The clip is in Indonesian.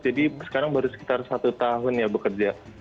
jadi sekarang baru sekitar satu tahun ya bekerja